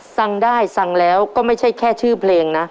ฟังได้ฟังแล้วก็ไม่ใช่แค่ชื่อเพลงนะ